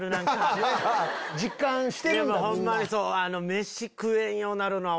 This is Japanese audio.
でもホンマにそう。